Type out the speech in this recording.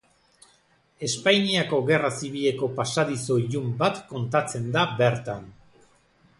Espainiako Gerra Zibileko pasadizo ilun bat kontatzen da bertan.